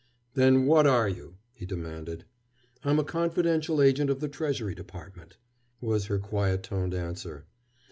"Then what are you?" he demanded. "I'm a confidential agent of the Treasury Department," was her quiet toned answer.